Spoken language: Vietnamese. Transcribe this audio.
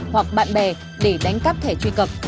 hoặc bạn bè để đánh cắp thẻ truy cập